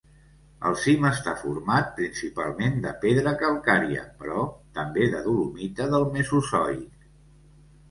El cim està format principalment de pedra calcària, però també de dolomita del Mesozoic.